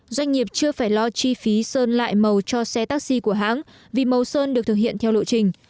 doanh nghiệp chưa phải lo chi phí sơn lại màu cho xe taxi của hãng vì màu sơn được thực hiện theo lộ trình